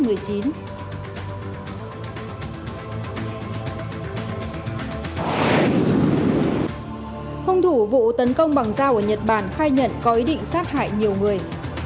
hung thủ vụ tấn công bằng dao ở nhật bản khai nhận có ý định sát hại nhiều người